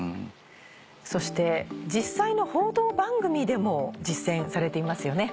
そして実際の報道番組でも実践されていますよね。